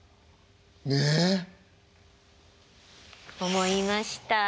思いました。